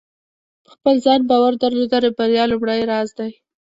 په خپل ځان باور درلودل د بریا لومړۍ راز دی.